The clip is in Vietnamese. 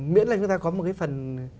miễn là chúng ta có một cái phần